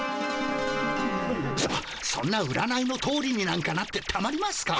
そそんな占いのとおりになんかなってたまりますか。